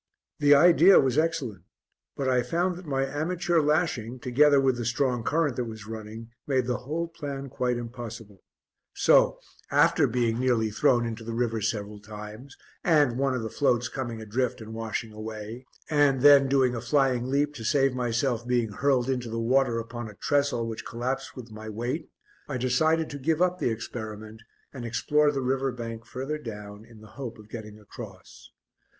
The idea was excellent, but I found that my amateur lashing together with the strong current that was running made the whole plan quite impossible, so, after being nearly thrown into the river several times, and one of the floats coming adrift and washing away, and then doing a flying leap to save myself being hurled into the water upon a trestle which collapsed with my weight, I decided to give up the experiment and explore the river bank further down in the hope of getting across.